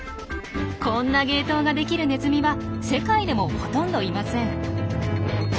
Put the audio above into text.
こんな芸当ができるネズミは世界でもほとんどいません。